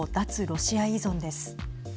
ロシア依存です。